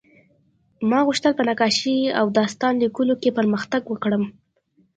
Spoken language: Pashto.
ما غوښتل په نقاشۍ او داستان لیکلو کې پرمختګ وکړم